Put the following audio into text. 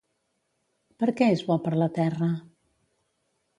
Per què és bo per la terra?